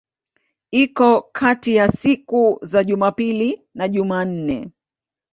Iko kati ya siku za Jumapili na Jumanne.